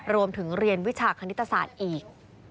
รวมถึงเรียนวิชาคณิตศาสตร์อีก